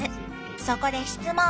そこで質問。